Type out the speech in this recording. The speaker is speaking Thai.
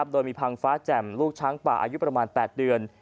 โดยมีพังฟ้าแจ่มลูกช้างป่าอายุประมาณ๘เดือน